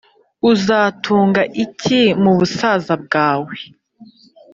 uzatunga iki mu busaza bwawe?